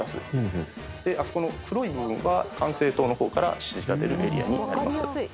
あそこの黒い部分は管制塔の方から指示が出るエリアになります。